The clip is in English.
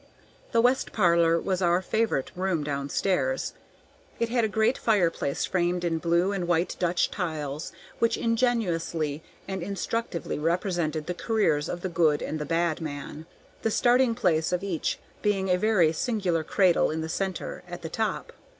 The west parlor was our favorite room down stairs. It had a great fireplace framed in blue and white Dutch tiles which ingeniously and instructively represented the careers of the good and the bad man; the starting place of each being a very singular cradle in the centre at the top.